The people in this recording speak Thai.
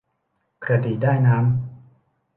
กระดี่ได้น้ำ